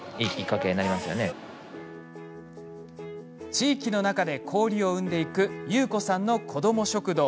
地域の中で交流を生んでいく優子さんの子ども食堂。